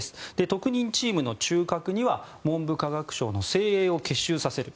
特任チームの中核には文部科学省の精鋭を結集させる。